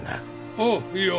おういいよ。